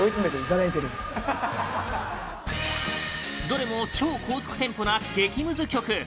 どれも超高速テンポな激ムズ曲